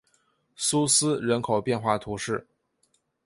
苏斯人口变化图示